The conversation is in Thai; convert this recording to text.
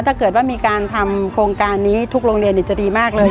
ถ้าเกิดว่ามีการทำโครงการนี้ทุกโรงเรียนจะดีมากเลย